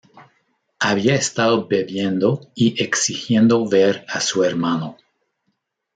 Había estado bebiendo y exigiendo ver a su hermano.